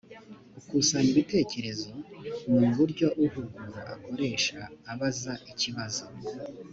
gukusanya ibitekerezo ni uburyo uhugura akoresha abaza ikibazo.